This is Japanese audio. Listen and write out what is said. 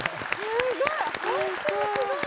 すごい！